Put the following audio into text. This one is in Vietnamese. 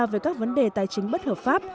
về các vấn đề tài chính bất hợp pháp